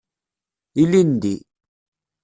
Ilindi.